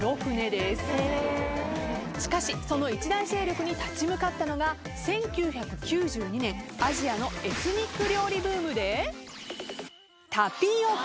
しかしその一大勢力に立ち向かったのが１９９２年アジアのエスニック料理ブームで。